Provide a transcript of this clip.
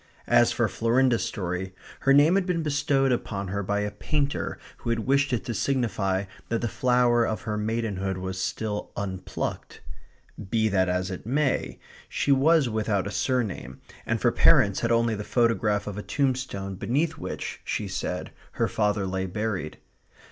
As for Florinda's story, her name had been bestowed upon her by a painter who had wished it to signify that the flower of her maidenhood was still unplucked. Be that as it may, she was without a surname, and for parents had only the photograph of a tombstone beneath which, she said, her father lay buried.